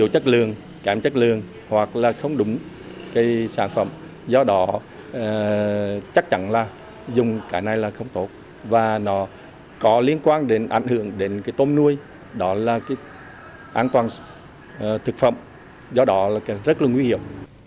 hoặc là không đúng cái sản phẩm do đó chắc chắn là dùng cái này là không tốt và nó có liên quan đến ảnh hưởng đến cái tôm nuôi đó là cái an toàn thực phẩm do đó là rất là nguy hiểm